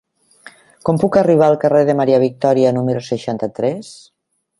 Com puc arribar al carrer de Maria Victòria número seixanta-tres?